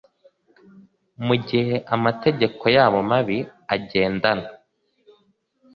mu gihe amategeko yabo mabi agendana